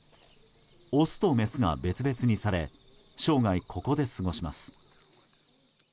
オスとメスが別々にされ生涯、ここで過ごします。